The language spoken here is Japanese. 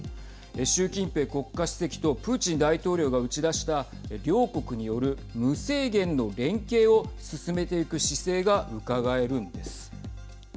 習近平国家主席とプーチン大統領が打ち出した両国による無制限の連携を進めていく姿勢がうかがえるんです。